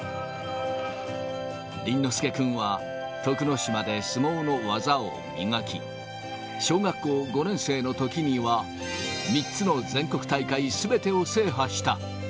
倫之亮君は、徳之島で相撲の技を磨き、小学校５年生のときには、３つの全国大会すべてを制覇した。